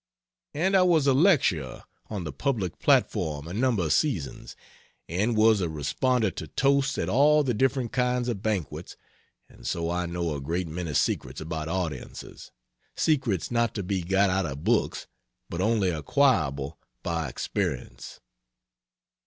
And I was a lecturer on the public platform a number of seasons and was a responder to toasts at all the different kinds of banquets and so I know a great many secrets about audiences secrets not to be got out of books, but only acquirable by experience.